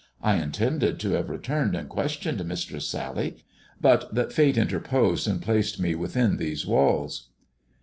I intended to have returned and questioned Mistress Sally, but that Fate interposed and placed me within these walls."